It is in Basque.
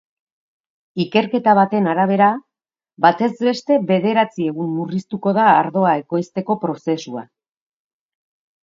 Ikerketa baten arabera, batez beste bederatzi egun murriztuko da ardoa ekoizteko prozesua.